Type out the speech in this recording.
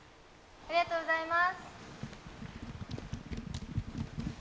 ありがとうございます。